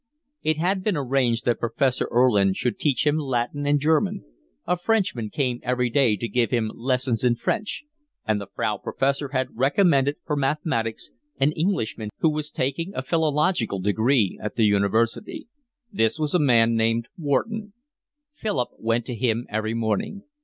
It had been arranged that Professor Erlin should teach him Latin and German; a Frenchman came every day to give him lessons in French; and the Frau Professor had recommended for mathematics an Englishman who was taking a philological degree at the university. This was a man named Wharton. Philip went to him every morning.